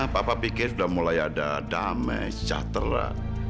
papa pikir sudah mulai ada damai sejahtera